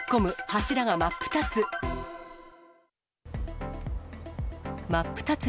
柱が真っ二つ。